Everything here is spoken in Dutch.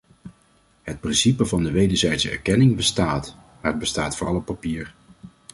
Het principe van de wederzijdse erkenning bestaat, maar het bestaat vooral op papier.